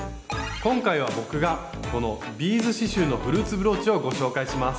今回は僕がこのビーズ刺しゅうのフルーツブローチをご紹介します。